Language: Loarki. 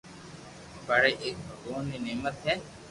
پڙائي ايڪ ڀگوان ري نعمت ھي